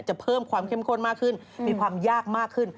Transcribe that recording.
เพิ่มความเข้มข้นมากขึ้นมีความยากมากขึ้น